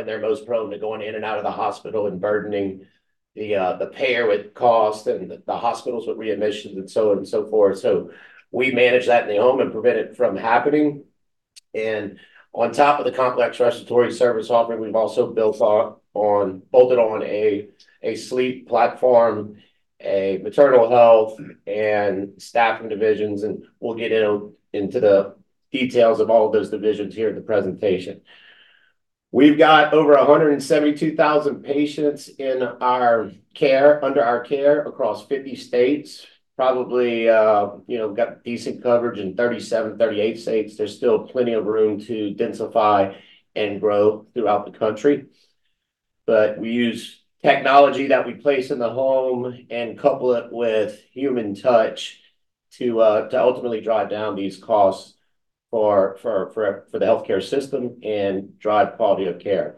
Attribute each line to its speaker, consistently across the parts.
Speaker 1: When they're most prone to going in and out of the hospital and burdening the payer with cost and the hospitals with readmissions and so on and so forth. We manage that in the home and prevent it from happening. On top of the complex respiratory service offering, we've also bolted on a sleep platform, a maternal health, and staffing divisions, and we'll get into the details of all those divisions here in the presentation. We've got over 172,000 patients in our care, under our care across 50 states. Probably, you know, got decent coverage in 37, 38 states. There's still plenty of room to densify and grow throughout the country. We use technology that we place in the home and couple it with human touch to ultimately drive down these costs for the healthcare system and drive quality of care.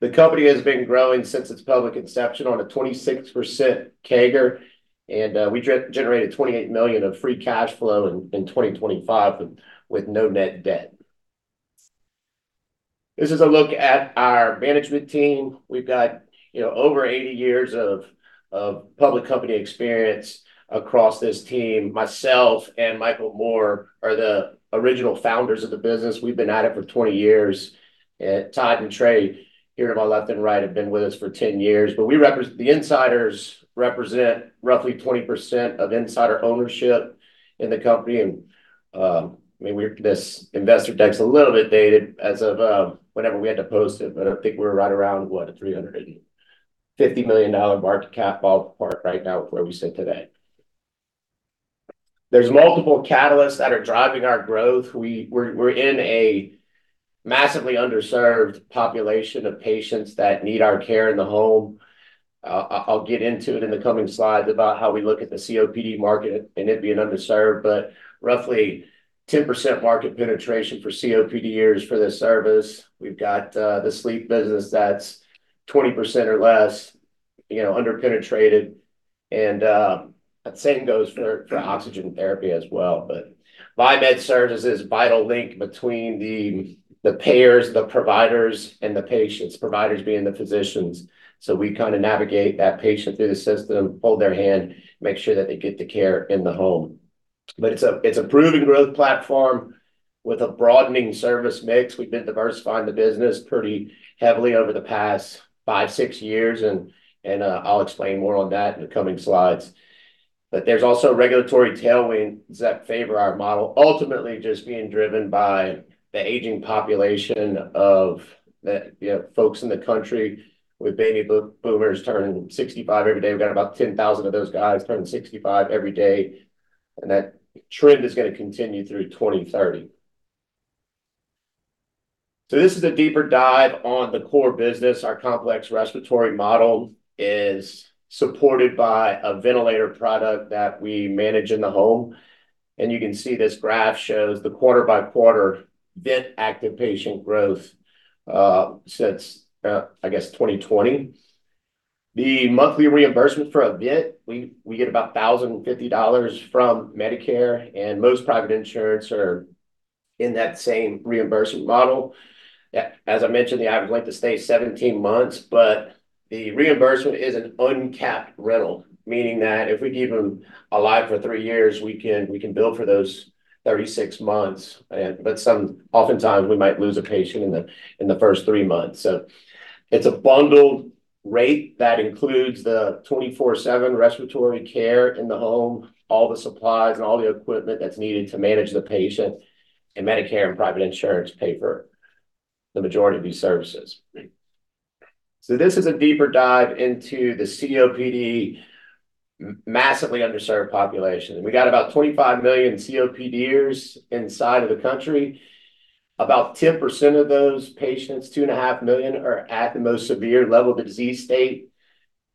Speaker 1: The company has been growing since its public inception on a 26% CAGR, and we generated $28 million of free cash flow in 2025 with no net debt. This is a look at our management team. We've got, you know, over 80 years of public company experience across this team. Myself and Michael Moore are the original founders of the business. We've been at it for 20 years. Todd and Trae here at my left and right have been with us for 10 years. The insiders represent roughly 20% of insider ownership in the company. I mean, this investor deck's a little bit dated as of whenever we had to post it, but I think we're right around, what, $350 million market cap ballpark right now where we sit today. There's multiple catalysts that are driving our growth. We're in a massively underserved population of patients that need our care in the home. I'll get into it in the coming slides about how we look at the COPD market and it being underserved. Roughly 10% market penetration for COPDers for this service. We've got the sleep business that's 20% or less, you know, under-penetrated. The same goes for oxygen therapy as well. Viemed serves as this vital link between the payers, the providers, and the patients, providers being the physicians. We kinda navigate that patient through the system, hold their hand, make sure that they get the care in the home. It's a proven growth platform with a broadening service mix. We've been diversifying the business pretty heavily over the past five, six years, and I'll explain more on that in the coming slides. There's also regulatory tailwinds that favor our model, ultimately just being driven by the aging population of the, you know, folks in the country with baby boomers turning 65 every day. We've got about 10,000 of those guys turning 65 every day, and that trend is gonna continue through 2030. This is a deeper dive on the core business. Our complex respiratory model is supported by a ventilator product that we manage in the home. You can see this graph shows the quarter-by-quarter vent active patient growth since 2020. The monthly reimbursement for a vent, we get about $1,050 from Medicare, and most private insurance is in that same reimbursement model. As I mentioned, the average length of stay is 17 months, but the reimbursement is an uncapped rental, meaning that if we keep them alive for three years, we can bill for those 36 months. But oftentimes, we might lose a patient in the first three months. It's a bundled rate that includes the 24/7 respiratory care in the home, all the supplies, and all the equipment that's needed to manage the patient. Medicare and private insurance pay for the majority of these services. This is a deeper dive into the COPD massively underserved population. We got about 25 million COPDers inside of the country. About 10% of those patients, 2.5 million, are at the most severe level of the disease state.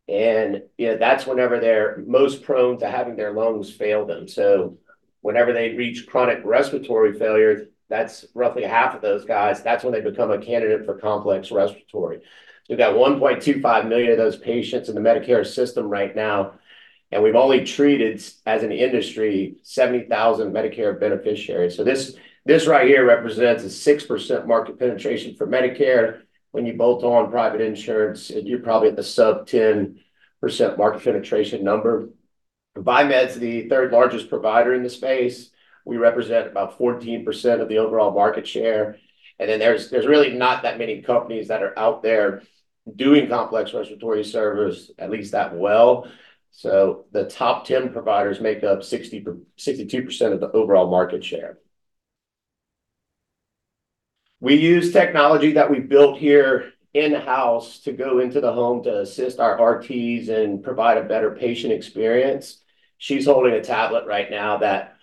Speaker 1: You know, that's whenever they're most prone to having their lungs fail them. Whenever they reach chronic respiratory failure, that's roughly half of those guys, that's when they become a candidate for complex respiratory. We got 1.25 million of those patients in the Medicare system right now, and we've only treated, as an industry, 70,000 Medicare beneficiaries. This, this right here represents a 6% market penetration for Medicare. When you bolt on private insurance, you're probably at the sub-10% market penetration number. Viemed's the third-largest provider in the space. We represent about 14% of the overall market share. There's really not that many companies that are out there doing complex respiratory service at least that well. The top 10 providers make up 62% of the overall market share. We use technology that we built here in-house to go into the home to assist our RTs and provide a better patient experience. She's holding a tablet right now that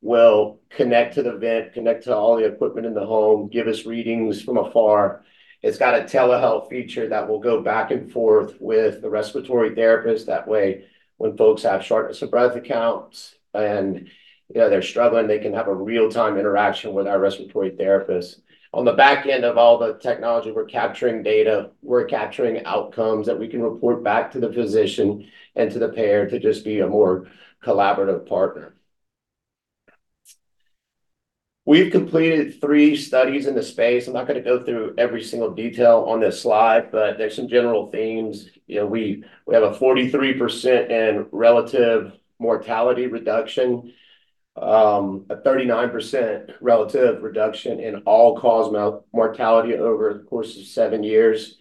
Speaker 1: will connect to the vent, connect to all the equipment in the home, give us readings from afar. It's got a telehealth feature that will go back and forth with the respiratory therapist. That way, when folks have shortness of breath attacks and, you know, they're struggling, they can have a real-time interaction with our respiratory therapist. On the back end of all the technology, we're capturing data, we're capturing outcomes that we can report back to the physician and to the payer to just be a more collaborative partner. We've completed three studies in the space. I'm not gonna go through every single detail on this slide, but there's some general themes. You know, we have a 43% in relative mortality reduction, a 39% relative reduction in all-cause mortality over the course of seven years.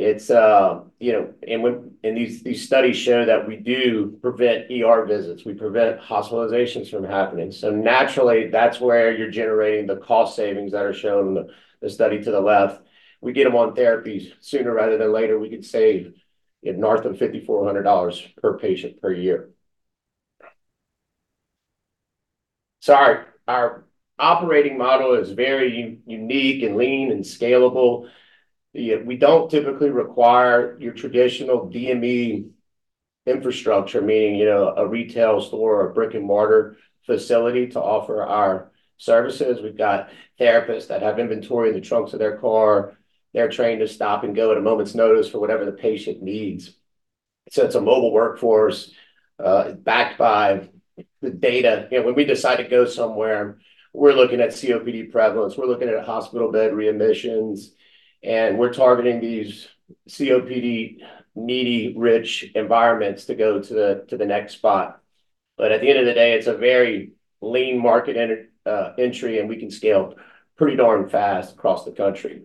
Speaker 1: It's, you know, and these studies show that we do prevent ER visits, we prevent hospitalizations from happening. Naturally, that's where you're generating the cost savings that are shown on the study to the left. We get 'em on therapies sooner rather than later. We could save north of $5,400 per patient per year. Our operating model is very unique and lean and scalable. We don't typically require your traditional DME infrastructure, meaning, you know, a retail store or a brick-and-mortar facility to offer our services. We've got therapists that have inventory in the trunks of their car. They're trained to stop and go at a moment's notice for whatever the patient needs. It's a mobile workforce, backed by the data. You know, when we decide to go somewhere, we're looking at COPD prevalence, we're looking at hospital bed readmissions, and we're targeting these COPD needy rich environments to go to the next spot. At the end of the day, it's a very lean market entry, and we can scale pretty darn fast across the country.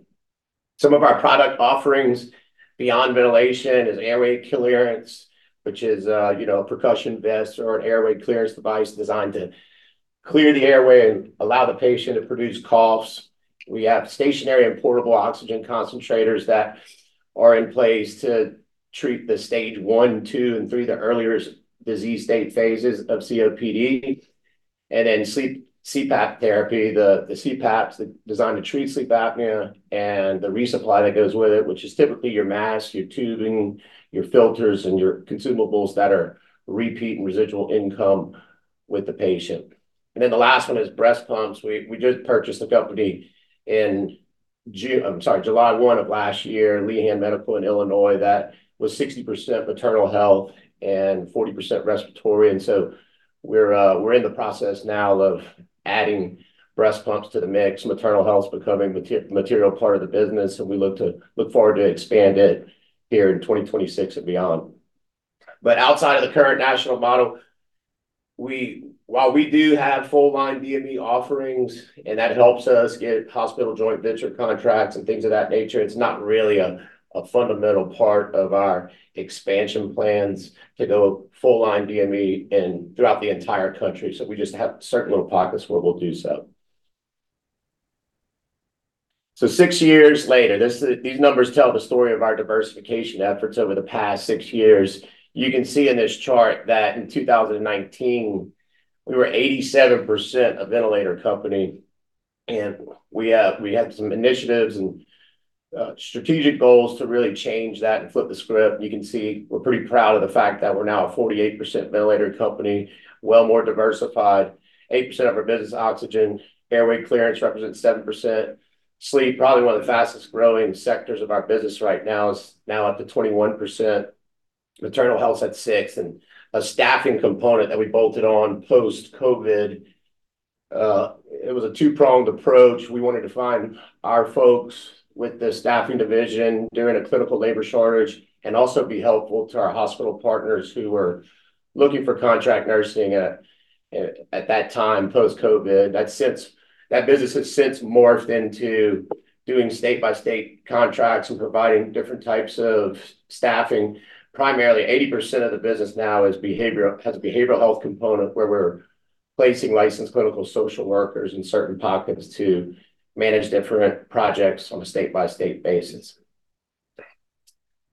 Speaker 1: Some of our product offerings beyond ventilation is airway clearance, which is, you know, a percussion vest or an airway clearance device designed to clear the airway and allow the patient to produce coughs. We have stationary and portable oxygen concentrators that are in place to treat the Stage 1, 2, and 3, the earlier disease state phases of COPD. Sleep CPAP therapy, the CPAPs designed to treat sleep apnea, and the resupply that goes with it, which is typically your mask, your tubing, your filters, and your consumables that are repeat and residual income with the patient. The last one is breast pumps. We did purchase a company in July 1 of last year, Lehan's Medical in Illinois. That was 60% maternal health and 40% respiratory. We're in the process now of adding breast pumps to the mix, maternal health's becoming material part of the business, and we look forward to expand it here in 2026 and beyond. Outside of the current national model, while we do have full line DME offerings, and that helps us get hospital joint venture contracts and things of that nature, it's not really a fundamental part of our expansion plans to go full line DME throughout the entire country. We just have certain little pockets where we'll do so. Six years later, these numbers tell the story of our diversification efforts over the past six years. You can see in this chart that in 2019, we were 87% a ventilator company, and we had some initiatives and strategic goals to really change that and flip the script. You can see we're pretty proud of the fact that we're now a 48% ventilator company, well more diversified. 8% of our business, oxygen. Airway clearance represents 7%. Sleep, probably one of the fastest-growing sectors of our business right now, is now up to 21%. Maternal health's at 6%, and a staffing component that we bolted on post-COVID, it was a two-pronged approach. We wanted to find our folks with the staffing division during a clinical labor shortage and also be helpful to our hospital partners who were looking for contract nursing at that time, post-COVID. That business has since morphed into doing state-by-state contracts and providing different types of staffing. Primarily, 80% of the business now has a behavioral health component where we're placing licensed clinical social workers in certain pockets to manage different projects on a state-by-state basis.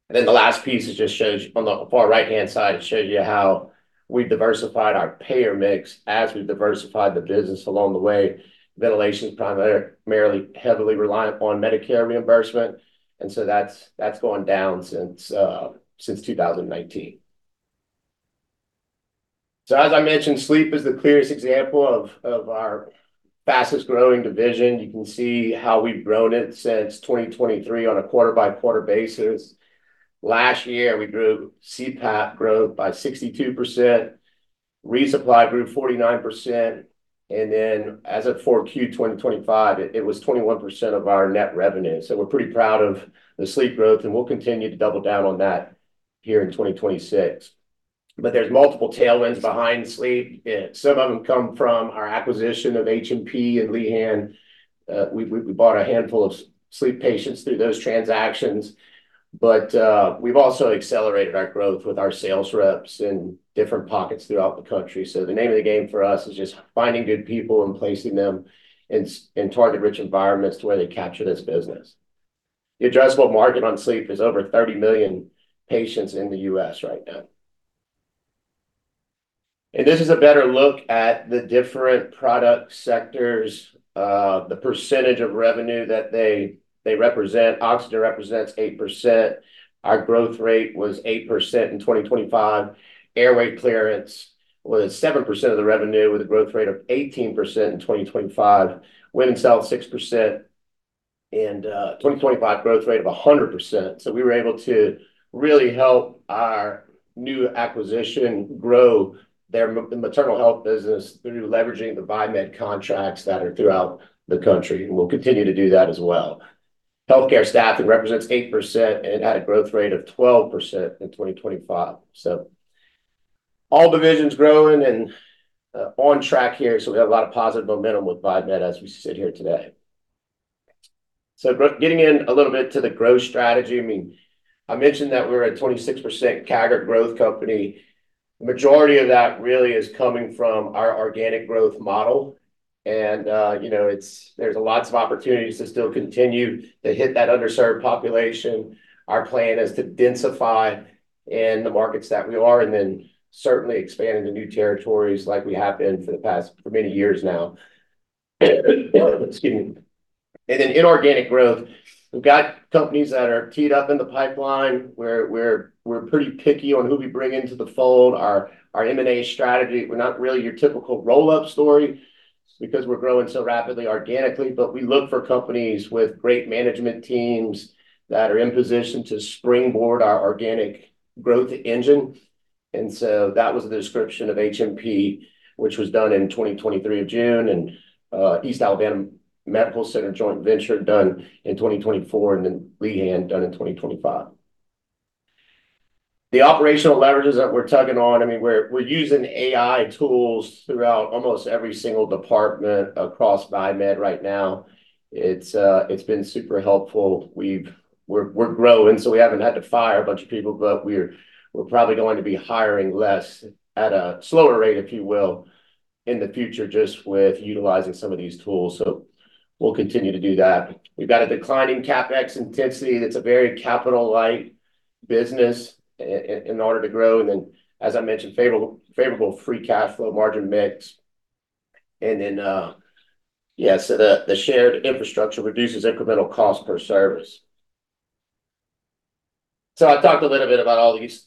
Speaker 1: The last piece, it just shows you on the far right-hand side how we diversified our payer mix as we diversified the business along the way. Ventilation's primarily heavily reliant on Medicare reimbursement, and so that's gone down since 2019. As I mentioned, sleep is the clearest example of our fastest-growing division. You can see how we've grown it since 2023 on a quarter-by-quarter basis. Last year, we grew CPAP growth by 62%. Resupply grew 49%. As of 4Q 2025, it was 21% of our net revenue. We're pretty proud of the sleep growth, and we'll continue to double down on that here in 2026. There's multiple tailwinds behind sleep. Some of them come from our acquisition of HMP and Lehan's. We bought a handful of sleep patients through those transactions. We've also accelerated our growth with our sales reps in different pockets throughout the country. The name of the game for us is just finding good people and placing them in target-rich environments to where they capture this business. The addressable market on sleep is over 30 million patients in the U.S. right now. This is a better look at the different product sectors, the percentage of revenue that they represent. Oxygen represents 8%. Our growth rate was 8% in 2025. Airway clearance was 7% of the revenue with a growth rate of 18% in 2025. Women's health, 6%. 2025 growth rate of 100%. We were able to really help our new acquisition grow their maternal health business through leveraging the Viemed contracts that are throughout the country, and we'll continue to do that as well. Healthcare staffing represents 8% and had a growth rate of 12% in 2025. All divisions growing and on track here, so we have a lot of positive momentum with Viemed as we sit here today. Getting in a little bit to the growth strategy, I mean, I mentioned that we're a 26% CAGR growth company. The majority of that really is coming from our organic growth model, and you know, it's, there's lots of opportunities to still continue to hit that underserved population. Our plan is to densify in the markets that we are and then certainly expand into new territories like we have been for many years now. Excuse me. Then inorganic growth, we've got companies that are teed up in the pipeline. We're pretty picky on who we bring into the fold. Our M&A strategy, we're not really your typical roll-up story because we're growing so rapidly organically, but we look for companies with great management teams that are in position to springboard our organic growth engine. That was the description of HMP, which was done in June 2023, and East Alabama Medical Center joint venture done in 2024, and then Lehan done in 2025. The operational leverages that we're tugging on, I mean, we're using AI tools throughout almost every single department across Viemed right now. It's been super helpful. We're growing, so we haven't had to fire a bunch of people, but we're probably going to be hiring less at a slower rate, if you will, in the future just with utilizing some of these tools. We'll continue to do that. We've got a declining CapEx intensity, and it's a very capital-light business in order to grow. Then, as I mentioned, favorable free cash flow margin mix. The shared infrastructure reduces incremental cost per service. I talked a little bit about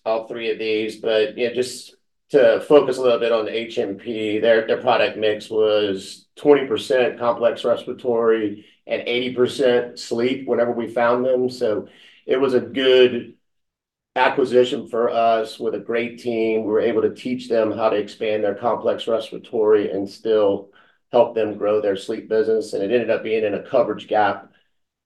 Speaker 1: all three of these, but you know, just to focus a little bit on HMP, their product mix was 20% complex respiratory and 80% sleep when we found them. It was a good acquisition for us with a great team. We were able to teach them how to expand their complex respiratory and still help them grow their sleep business, and it ended up being in a coverage gap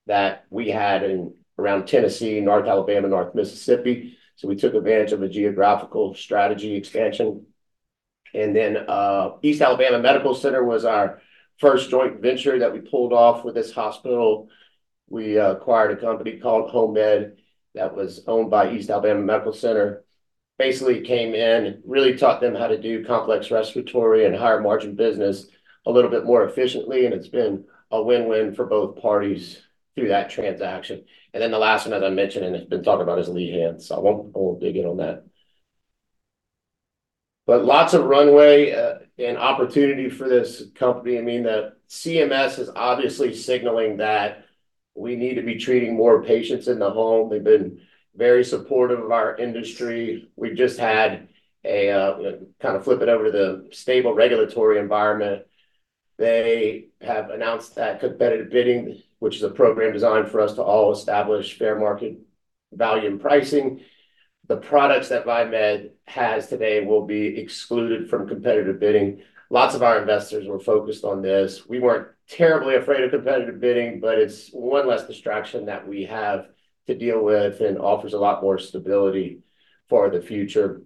Speaker 1: that we had in around Tennessee, North Alabama, North Mississippi. We took advantage of a geographical strategy expansion. East Alabama Medical Center was our first joint venture that we pulled off with this hospital. We acquired a company called Home Med that was owned by East Alabama Medical Center. Basically came in, really taught them how to do complex respiratory and higher margin business a little bit more efficiently, and it's been a win-win for both parties through that transaction. The last one, as I mentioned, and it's been talked about, is Lehan's, so I won't dig in on that. Lots of runway and opportunity for this company. I mean, the CMS is obviously signaling that we need to be treating more patients in the home. They've been very supportive of our industry. We just had a kind of flip it over to the stable regulatory environment. They have announced that competitive bidding, which is a program designed for us to all establish fair market value and pricing. The products that Viemed has today will be excluded from competitive bidding. Lots of our investors were focused on this. We weren't terribly afraid of competitive bidding, but it's one less distraction that we have to deal with and offers a lot more stability for the future.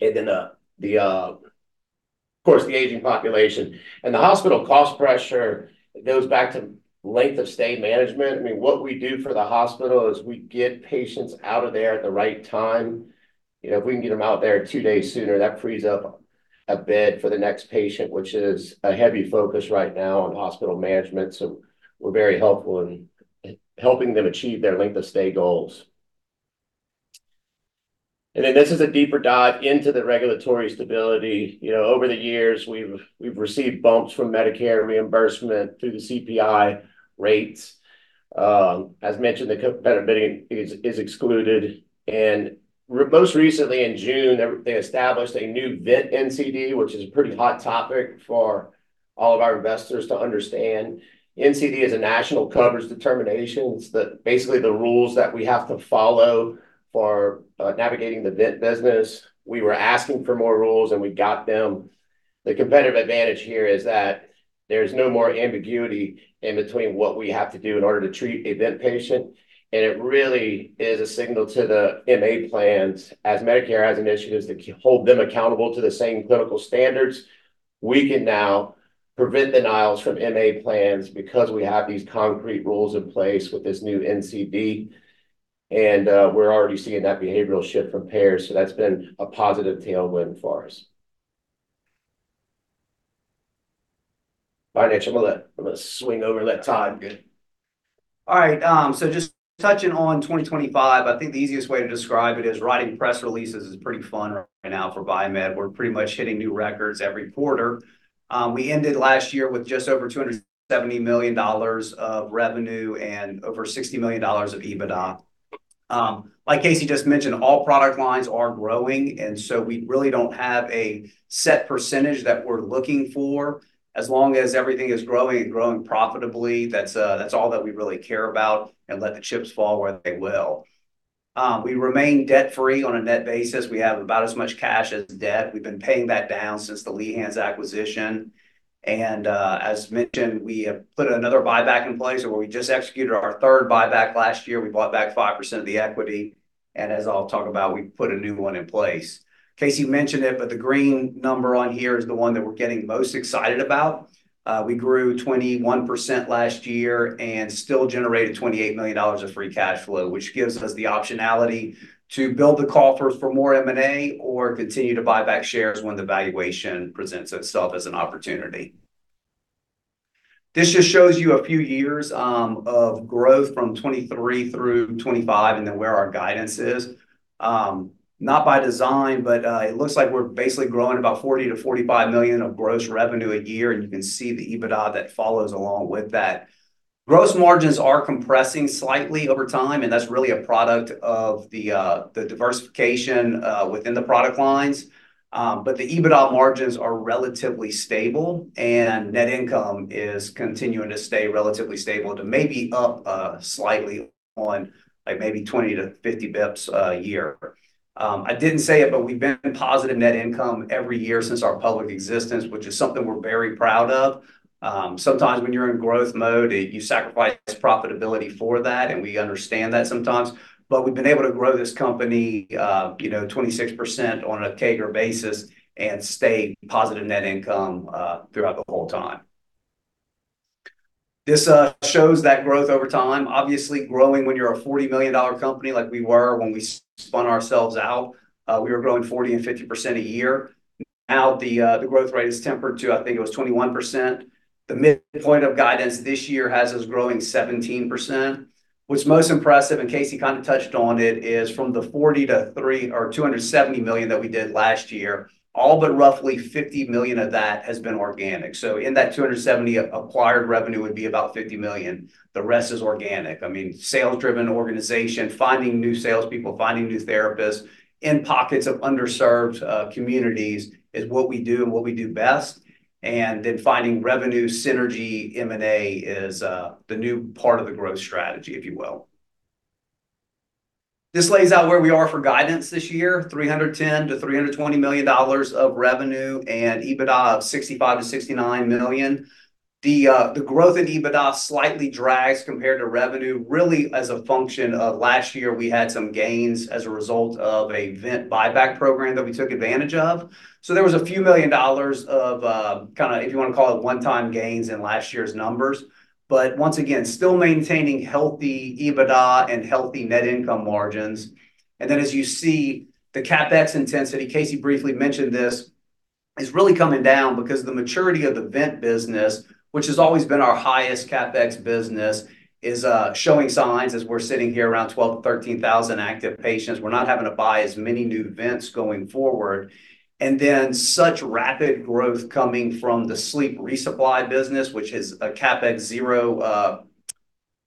Speaker 1: Of course, the aging population. The hospital cost pressure goes back to length of stay management. I mean, what we do for the hospital is we get patients out of there at the right time. You know, if we can get them out of there two days sooner, that frees up a bed for the next patient, which is a heavy focus right now on hospital management. We're very helpful in helping them achieve their length of stay goals. This is a deeper dive into the regulatory stability. You know, over the years, we've received bumps from Medicare reimbursement through the CPI rates. As mentioned, competitive bidding is excluded. Most recently in June, they established a new vent NCD, which is a pretty hot topic for all of our investors to understand. NCD is a National Coverage Determinations. Basically, the rules that we have to follow for navigating the vent business. We were asking for more rules, and we got them. The competitive advantage here is that there's no more ambiguity in between what we have to do in order to treat a vent patient, and it really is a signal to the MA plans. As Medicare has initiatives that hold them accountable to the same clinical standards, we can now prevent denials from MA plans because we have these concrete rules in place with this new NCD. We're already seeing that behavioral shift from payers, so that's been a positive tailwind for us. Finally, I'm gonna swing over and let Todd get it.
Speaker 2: All right. Just touching on 2025, I think the easiest way to describe it is writing press releases is pretty fun right now for Viemed. We're pretty much hitting new records every quarter. We ended last year with just over $270 million of revenue and over $60 million of EBITDA. Like Casey just mentioned, all product lines are growing, and we really don't have a set percentage that we're looking for. As long as everything is growing and growing profitably, that's all that we really care about, and let the chips fall where they will. We remain debt-free on a net basis. We have about as much cash as debt. We've been paying that down since the Lehan's acquisition. As mentioned, we have put another buyback in place where we just executed our third buyback last year. We bought back 5% of the equity, and as I'll talk about, we put a new one in place. Casey mentioned it, but the green number on here is the one that we're getting most excited about. We grew 21% last year and still generated $28 million of free cash flow, which gives us the optionality to build the coffers for more M&A or continue to buy back shares when the valuation presents itself as an opportunity. This just shows you a few years of growth from 2023 through 2025, and then where our guidance is. Not by design, but it looks like we're basically growing about $40 million-$45 million of gross revenue a year, and you can see the EBITDA that follows along with that. Gross margins are compressing slightly over time, and that's really a product of the diversification within the product lines. The EBITDA margins are relatively stable, and net income is continuing to stay relatively stable to maybe up slightly on, like, maybe 20 to 50 bps a year. I didn't say it, but we've been positive net income every year since our public existence, which is something we're very proud of. Sometimes when you're in growth mode, you sacrifice profitability for that, and we understand that sometimes. We've been able to grow this company, you know, 26% on a CAGR basis and stay positive net income throughout the whole time. This shows that growth over time. Obviously, growing when you're a $40 million company like we were when we spun ourselves out, we were growing 40% and 50% a year. Now the growth rate is tempered to, I think it was 21%. The midpoint of guidance this year has us growing 17%. What's most impressive, and Casey kinda touched on it, is from the $40 million to $300 million or $270 million that we did last year, all but roughly $50 million of that has been organic. So in that $270 million, acquired revenue would be about $50 million. The rest is organic. I mean, sales-driven organization, finding new salespeople, finding new therapists in pockets of underserved communities is what we do and what we do best. Finding revenue synergy M&A is the new part of the growth strategy, if you will. This lays out where we are for guidance this year, $310 million-$320 million of revenue and EBITDA of $65 million-$69 million. The growth in EBITDA slightly drags compared to revenue, really as a function of last year we had some gains as a result of a vent buyback program that we took advantage of. There was a few million dollars of kinda, if you wanna call it, one-time gains in last year's numbers. Once again, still maintaining healthy EBITDA and healthy net income margins. As you see, the CapEx intensity, Casey briefly mentioned this, is really coming down because the maturity of the vent business, which has always been our highest CapEx business, is showing signs as we're sitting here around 12,000-13,000 active patients. We're not having to buy as many new vents going forward. Such rapid growth coming from the sleep resupply business, which is a CapEx zero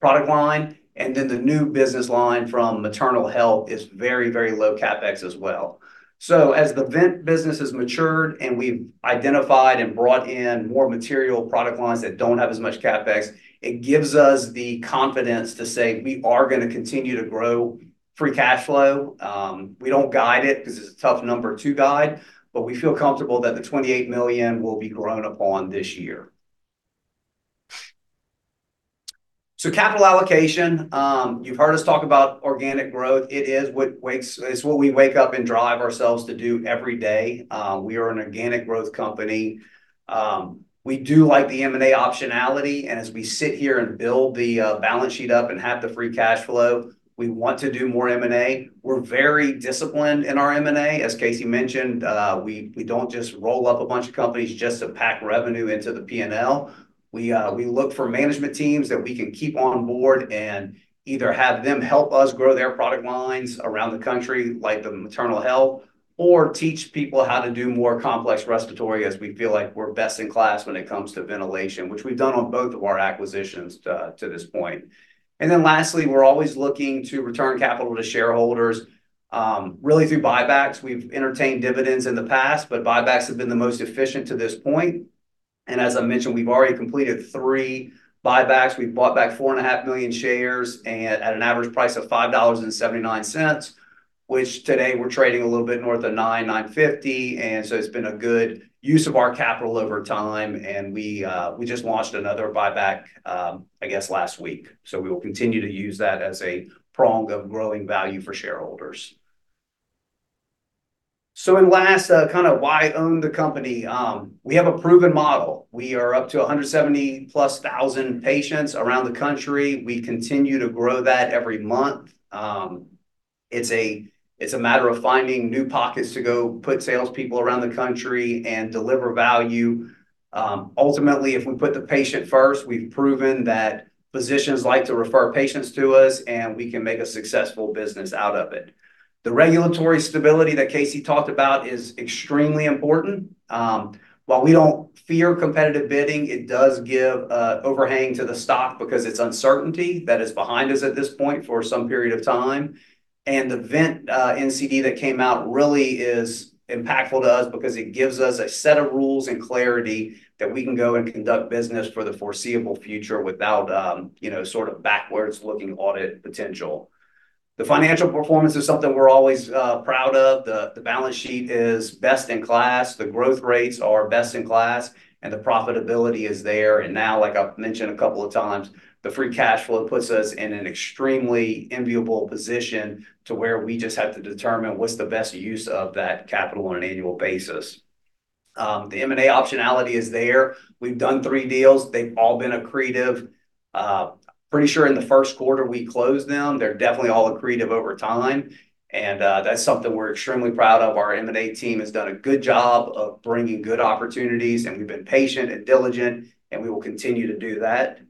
Speaker 2: product line. The new business line from maternal health is very, very low CapEx as well. As the vent business has matured and we've identified and brought in more material product lines that don't have as much CapEx, it gives us the confidence to say we are gonna continue to grow free cash flow. We don't guide it 'cause it's a tough number to guide, but we feel comfortable that the $28 million will be grown upon this year. Capital allocation, you've heard us talk about organic growth. It is what we wake up and drive ourselves to do every day. We are an organic growth company. We do like the M&A optionality, and as we sit here and build the balance sheet up and have the free cash flow, we want to do more M&A. We're very disciplined in our M&A. As Casey mentioned, we don't just roll up a bunch of companies just to pack revenue into the P&L. We look for management teams that we can keep on board and either have them help us grow their product lines around the country, like the maternal health, or teach people how to do more complex respiratory as we feel like we're best in class when it comes to ventilation, which we've done on both of our acquisitions to this point. Lastly, we're always looking to return capital to shareholders, really through buybacks. We've entertained dividends in the past, but buybacks have been the most efficient to this point. As I mentioned, we've already completed three buybacks. We've bought back 4.5 million shares at an average price of $5.79, which today we're trading a little bit north of $9, $9.50, and so it's been a good use of our capital over time. We just launched another buyback, I guess last week. We will continue to use that as a prong of growing value for shareholders. And last, kinda why own the company. We have a proven model. We are up to +170,000 patients around the country. We continue to grow that every month. It's a matter of finding new pockets to go put salespeople around the country and deliver value. Ultimately, if we put the patient first, we've proven that physicians like to refer patients to us, and we can make a successful business out of it. The regulatory stability that Casey talked about is extremely important. While we don't fear competitive bidding, it does give overhang to the stock because it's uncertainty that is behind us at this point for some period of time. The vent NCD that came out really is impactful to us because it gives us a set of rules and clarity that we can go and conduct business for the foreseeable future without, you know, sort of backwards looking audit potential. The financial performance is something we're always proud of. The balance sheet is best in class, the growth rates are best in class, and the profitability is there. Now, like I've mentioned a couple of times, the free cash flow puts us in an extremely enviable position to where we just have to determine what's the best use of that capital on an annual basis. The M&A optionality is there. We've done three deals. They've all been accretive. Pretty sure in the first quarter we closed them. They're definitely all accretive over time, and that's something we're extremely proud of. Our M&A team has done a good job of bringing good opportunities, and we've been patient and diligent, and we will continue to do that.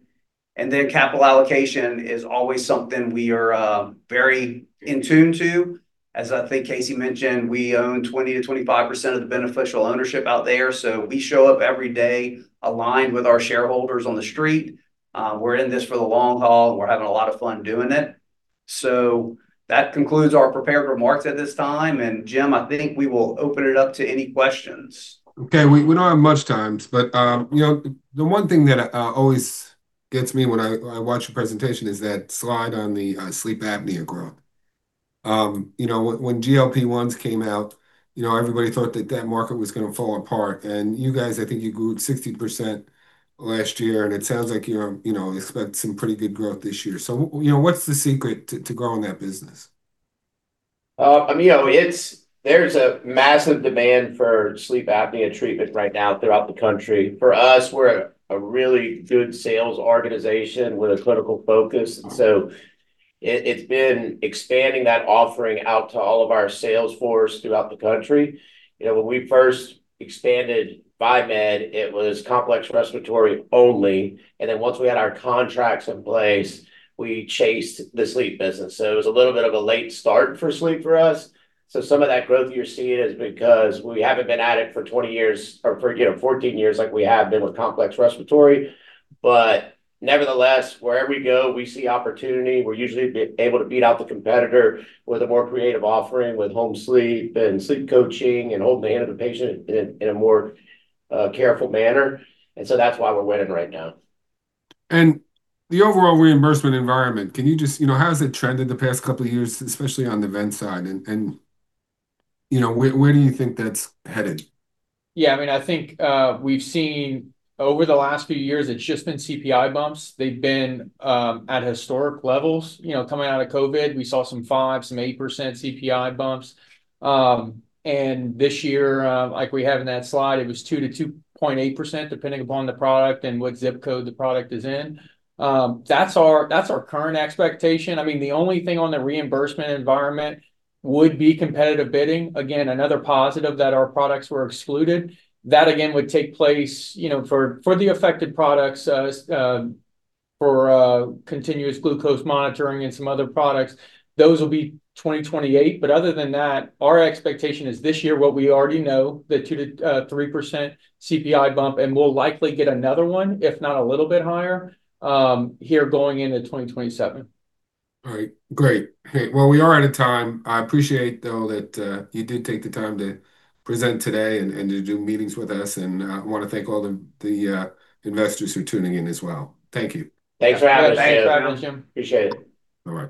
Speaker 2: Capital allocation is always something we are very in tune to. As I think Casey mentioned, we own 20%-25% of the beneficial ownership out there, so we show up every day aligned with our shareholders on the street. We're in this for the long haul, and we're having a lot of fun doing it. That concludes our prepared remarks at this time. Jim, I think we will open it up to any questions.
Speaker 3: Okay. We don't have much time, but you know, the one thing that always gets me when I watch a presentation is that slide on the sleep apnea growth. You know, when GLP-1s came out, you know, everybody thought that market was gonna fall apart. You guys, I think you grew 60% last year, and it sounds like you're you know expect some pretty good growth this year. You know, what's the secret to growing that business?
Speaker 2: You know, there's a massive demand for sleep apnea treatment right now throughout the country. For us, we're a really good sales organization with a clinical focus. It's been expanding that offering out to all of our sales force throughout the country. You know, when we first expanded Viemed, it was complex respiratory only, and then once we had our contracts in place, we chased the sleep business. It was a little bit of a late start for sleep for us. Some of that growth you're seeing is because we haven't been at it for 20 years or for, you know, 14 years like we have been with complex respiratory. Nevertheless, wherever we go, we see opportunity. We're usually able to beat out the competitor with a more creative offering, with home sleep and sleep coaching and holding the hand of a patient in a more careful manner. That's why we're winning right now.
Speaker 3: The overall reimbursement environment, can you just you know, how has it trended the past couple of years, especially on the vent side? You know, where do you think that's headed?
Speaker 1: Yeah, I mean, I think we've seen over the last few years, it's just been CPI bumps. They've been at historic levels. You know, coming out of COVID, we saw some 5%, some 8% CPI bumps. This year, like we have in that slide, it was 2%-2.8%, depending upon the product and what zip code the product is in. That's our current expectation. I mean, the only thing on the reimbursement environment would be competitive bidding. Again, another positive that our products were excluded. That again would take place, you know, for the affected products, for continuous glucose monitoring and some other products. Those will be 2028, but other than that, our expectation is this year what we already know, the 2%-3% CPI bump, and we'll likely get another one, if not a little bit higher, here going into 2027.
Speaker 3: All right. Great. Hey, well, we are out of time. I appreciate, though, that you did take the time to present today and to do meetings with us and wanna thank all the investors who are tuning in as well. Thank you.
Speaker 2: Thanks for having us.
Speaker 1: Thanks for having us, Jim.
Speaker 2: Appreciate it.
Speaker 3: Bye-bye.